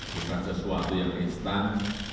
bukan sesuatu yang instan